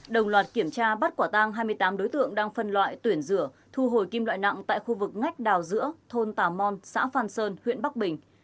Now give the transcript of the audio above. đồng loạt kiểm tra bắt quả tang hai mươi tám đối tượng đang phân loại tuyển rửa thu hồi kim loại nặng tại khu vực ngách đào giữa thôn tà mon xã phan sơn huyện bắc bình